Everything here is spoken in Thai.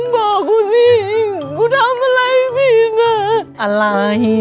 บอกกูซิกูทำอะไรผิดอ่ะอะไร